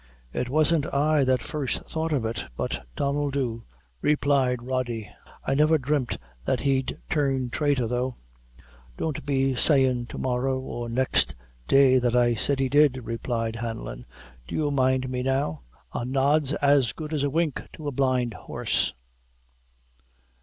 "It wasn't I that first thought of it, but Donnel Dhu," replied Kody; "I never dreamt that he'd turn thraitor though." "Don't be sayin' to morrow or next day that I said he did," replied Hanlon. "Do you mind me now? A nod's as good as a wink to a blind horse."